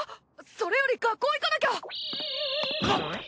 それより学校行かなきゃ！